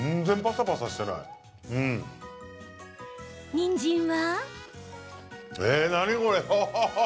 にんじんは？